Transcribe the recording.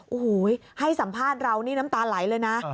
โอ้โหให้สัมภาษณ์เรานี่น้ำตาไหลเลยนะ